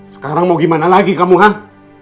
sekarang mau gimana lagi kamu hah